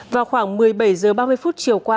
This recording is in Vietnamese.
vào khoảng một mươi bảy h ba mươi chiều qua